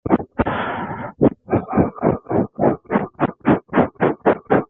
Le type de terre prédominant, jaune-gris, est favorable à l'industrie forestière après ajout d'engrais.